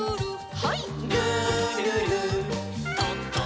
はい。